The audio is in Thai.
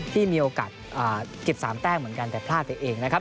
ที่มีโอกาสเก็บ๓แต้มเหมือนกันแต่พลาดไปเองนะครับ